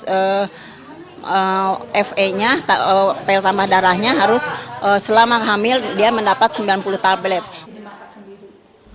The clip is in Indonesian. kalau fa nya pel tambah darahnya harus selama hamil dia mendapat sembilan puluh tablet